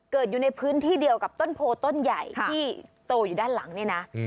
อยู่ในพื้นที่เดียวกับต้นโพต้นใหญ่ที่โตอยู่ด้านหลังเนี่ยนะ